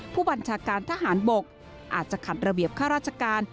ผู้บัญชาการทหารบกอาจจะขัดระเบียบข้าราชการ